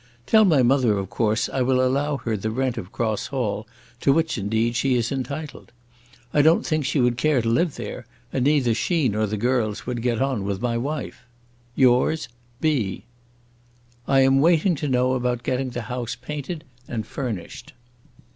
Tell my mother of course I will allow her the rent of Cross Hall, to which indeed she is entitled. I don't think she would care to live there, and neither she nor the girls would get on with my wife. "Yours, B. "I am waiting to know about getting the house painted and furnished."